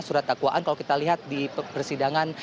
surat dakwaan kalau kita lihat di persidangan